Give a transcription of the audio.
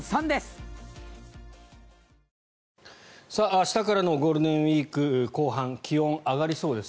明日からのゴールデンウィーク後半気温が上がりそうです。